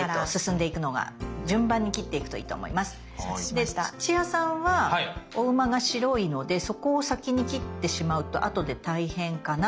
で土屋さんはお馬が白いのでそこを先に切ってしまうと後で大変かなと。